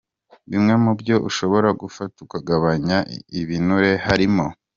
Bimwe mu byo ushobora gufata ukagabanya ibinure harimo:.